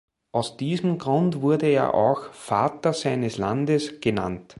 Aus diesem Grund wurde er auch "Vater seines Landes" genannt.